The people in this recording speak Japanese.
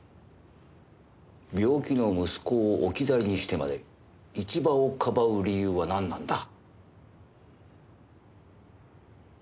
病気の息子を置き去りにしてまで一場をかばう理由はなんなんだ？